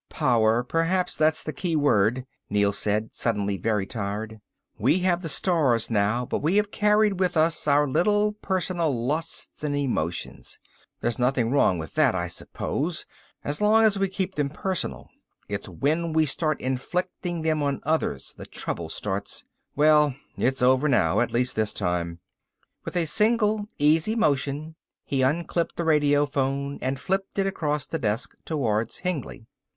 "Power, perhaps that's the key word," Neel said, suddenly very tired. "We have the stars now but we have carried with us our little personal lusts and emotions. There's nothing wrong with that, I suppose, as long as we keep them personal. It's when we start inflicting them on others the trouble starts. Well, it's over now. At least this time." With a single, easy motion he unclipped the radiophone and flipped it across the desk towards Hengly.